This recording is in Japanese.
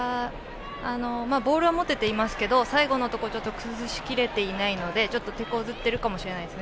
ボールは持てていますけど最後のところ崩しきれていないのでちょっとてこずっているかもしれないです。